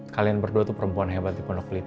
kalian berdua tuh perempuan hebat di pondok kulit